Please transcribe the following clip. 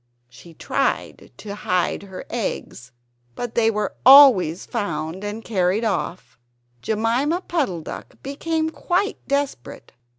She tried to hide her eggs; but they were always found and carried off. Jemima Puddle duck became quite desperate.